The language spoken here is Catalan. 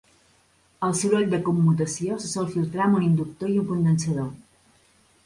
El soroll de commutació se sol filtrar amb un inductor i un condensador.